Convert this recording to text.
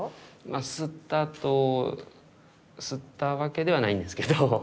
まあ吸ったと吸ったわけではないんですけど。